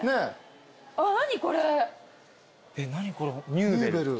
ニューベル。